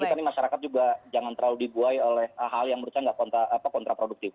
jadi kita nih masyarakat juga jangan terlalu dibuai oleh hal yang menurut saya nggak kontraproduktif